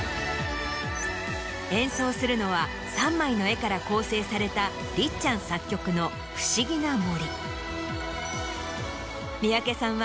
演奏するのは３枚の絵から構成されたりっちゃん作曲の『ふしぎな森』。